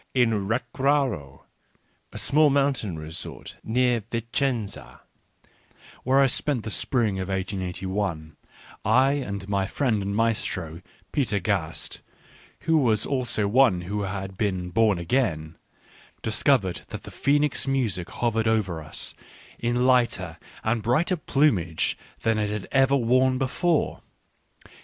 In Recoaro, a small mountain resort near~Vicenza, where I spent the spring of 1881, I and my friend and maestro, Peter Gast — who was also one who had been born again, discovered that the phoenix music hovered over us, in lighter and brighter plumage than it had ever worn before.